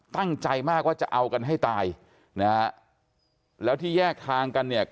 ตั้งใจมากว่าจะเอากันให้ตายนะฮะแล้วที่แยกทางกันเนี่ย